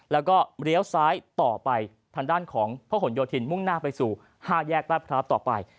แล้วก็เลี้ยวซ้ายต่อไปทางด้านของพระหลโยธินมุ่งหน้าไปสู่๕แยกรัฐพร้าวต่อไป